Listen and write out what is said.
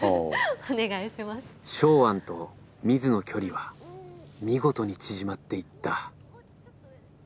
ショウアンとミズの距離は見事に縮まっていった。